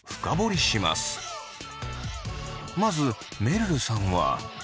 まずめるるさんは。